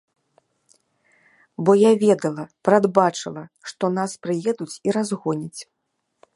Бо я ведала, прадбачыла, што нас прыедуць і разгоняць.